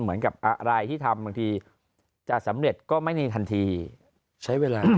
เหมือนกับอะไรที่ทำบางทีจะสำเร็จก็ไม่มีทันทีใช้เวลา